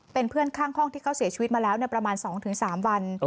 เป็นเพื่อนข้างห้องที่เขาเสียชีวิตมาแล้วประมาณ๒๓วัน